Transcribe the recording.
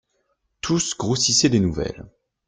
Tous grossissaient les nouvelles.